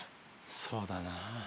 そうだな。